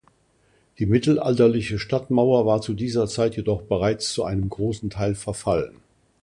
Die mittelalterliche Stadtmauer war zu dieser Zeit jedoch bereits zu einem großen Teil verfallen.